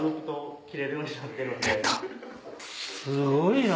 すごいな！